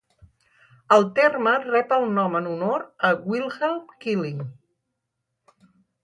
El terme rep el nom en honor a Wilhelm Killing.